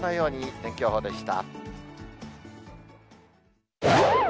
天気予報でした。